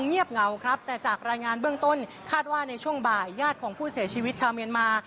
เงียบเหงาครับแต่จากรายงานเบื้องต้นคาดว่าในช่วงบ่ายญาติของผู้เสียชีวิตชาวเมียนมา